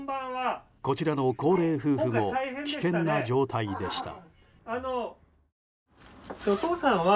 こちらの高齢夫婦も危険な状態でした。